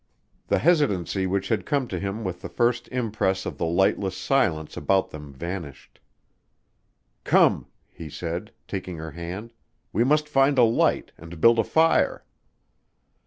The hesitancy which had come to him with the first impress of the lightless silence about them vanished. "Come," he said, taking her hand, "we must find a light and build a fire."